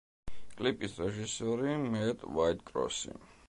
კლიპის რეჟისორის მეტ უაიტკროსი.